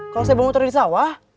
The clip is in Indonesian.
kalau saya bawa motornya di sawah